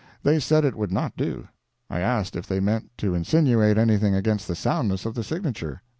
They said it would not do. I asked if they meant to insinuate anything against the soundness of the signature.